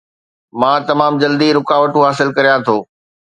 مان تمام جلدي رڪاوٽون حاصل ڪريان ٿو